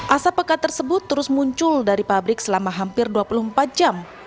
asap pekat tersebut terus muncul dari pabrik selama hampir dua puluh empat jam